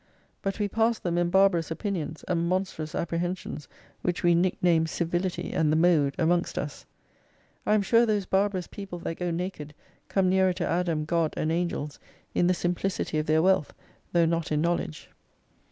But we pass them in barbarous opinions, and monstrous apprehensions, which we nick name civiHty and the mode, amongst us. I am sure those barbarous people that go naked, come nearer to Adam, God, and Angels in the simplicity of their wealth, though not in know ledge.